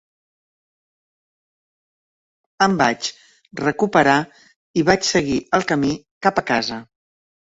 Em vaig recuperar i vaig seguir el camí cap a casa.